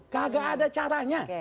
gagak ada caranya